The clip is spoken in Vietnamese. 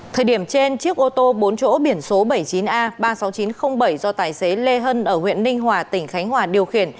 thời điểm trên chiếc ô tô bốn chỗ biển số bảy mươi chín a ba mươi sáu nghìn chín trăm linh bảy do tài xế lê hân ở huyện ninh hòa tỉnh khánh hòa điều khiển